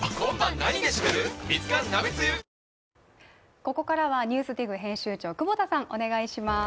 ここからは「ＮＥＷＳＤＩＧ」編集長久保田さん、お願いします。